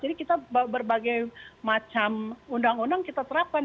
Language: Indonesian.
jadi kita berbagai macam undang undang kita terapkan